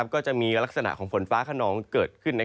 ก็จะมีลักษณะของฝนฟ้าขนองเกิดขึ้น